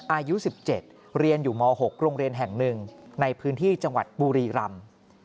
อายุ๑๗เรียนอยู่ม๖โรงเรียนแห่งหนึ่งในพื้นที่จังหวัดบุรีรำ